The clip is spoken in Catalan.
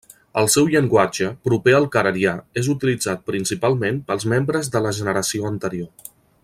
El seu llenguatge, proper al carelià, és utilitzat principalment pels membres de la generació anterior.